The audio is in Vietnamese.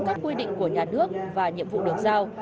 các quy định của nhà nước và nhiệm vụ được giao